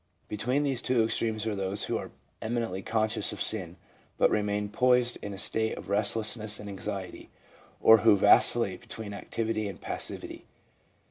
Between these two extremes are those who are eminently conscious of sin, but remain poised in a state of restlessness and anxiety, or who vacillate between activity and passivity.